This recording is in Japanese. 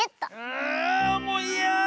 あもういやだ！